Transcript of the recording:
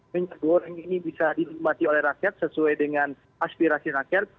minyak goreng ini bisa dinikmati oleh rakyat sesuai dengan aspirasi rakyat